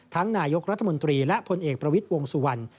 นายกรัฐมนตรีและพลเอกประวิทย์วงสุวรรณ